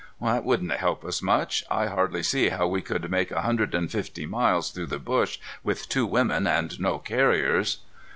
"That wouldn't help us much. I hardly see how we could make a hundred and fifty miles through the bush with two women and no carriers."